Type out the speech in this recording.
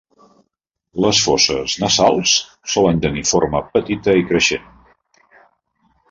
Les fosses nassals solen tenir forma petita i creixent.